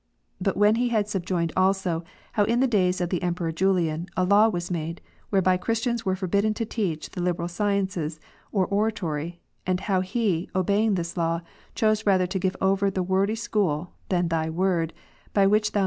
But when he had subjoined also, how in the days of the Emperor Julian, a law was made, whereby Christians were forbidden to teach the liberal sciences or oratory; and how he, obeying this law, chose rather to give ' over the wordy school, than Thy Word, by which Thou Wisd.